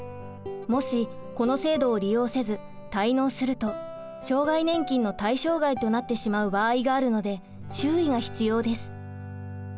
もしこの制度を利用せず滞納すると障害年金の対象外となってしまう場合があるので注意が必要です。